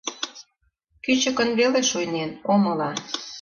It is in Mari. Кӱчыкын веле шуйнен, омыла.